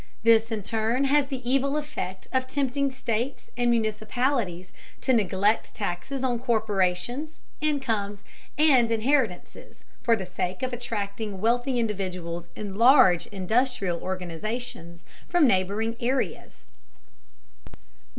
This in turn has the evil effect of tempting states and municipalities to neglect taxes on corporations, incomes, and inheritances for the sake of attracting wealthy individuals and large industrial organizations from neighboring areas.